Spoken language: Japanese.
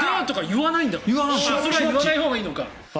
言わないほうがいいか。